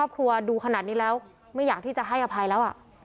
ปกติปากเช็คสอน๊ะ